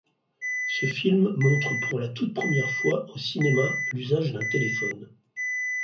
Ce film montre pour la toute première fois au cinéma l'usage d'un téléphone.